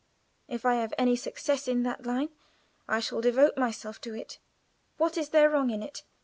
If I have any success in that line, I shall devote myself to it. What is there wrong in it?